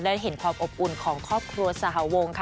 ได้เห็นความอบอุ่นของครอบครัวสหวงค่ะ